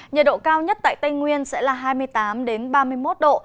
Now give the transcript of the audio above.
nhiệt độ cao nhất tại tây nguyên sẽ là hai mươi tám ba mươi một độ